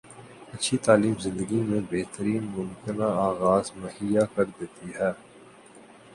اچھی تعلیم زندگی میں بہترین ممکنہ آغاز مہیا کردیتی ہے